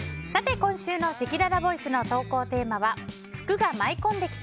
今週のせきららボイスの投稿テーマは福が舞い込んできた！